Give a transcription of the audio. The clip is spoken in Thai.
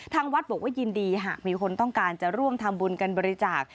ทางวัดบอกว่ายินดีหากมีคนต้องการจะร่วมทำบุญกันบริจาค